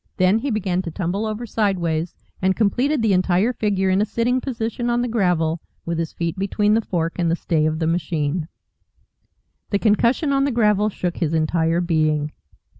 Then he began to tumble over sideways, and completed the entire figure in a sitting position on the gravel, with his feet between the fork and the stay of the machine. The concussion on the gravel shook his entire being.